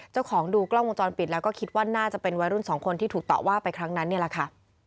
เจ้าของดูกล้องวงจรปิดแล้วก็คิดว่าน่าจะเป็นวัยรุ่นสองคนที่ถูกต่อว่าไปครั้งนั้นนี่แหละค่ะ